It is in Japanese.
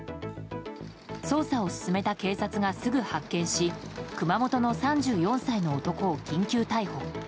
捜査を進めた警察がすぐ発見し熊本の３４歳の男を緊急逮捕。